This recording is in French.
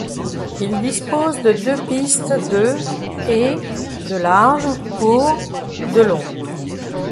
Il dispose de deux pistes de et de large pour de long.